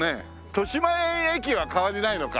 「豊島園駅」は変わりないのか。